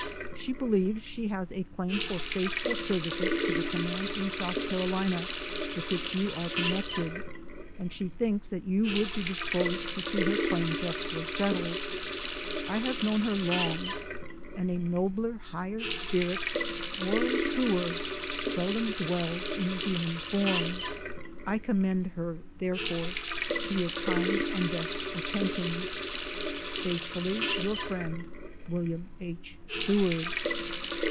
She believes she has a claim for faith ful services to the command in South Carolina with which you are connected, and she thinks that you would be disposed to see her claim justly settled. I have known her long, and a nobler, higher spirit, or a truer, seldom dwells in the human form. I commend her, therefore, to your kind and best attentions. Faithfully your friend, WILLIAM H. SEWARD.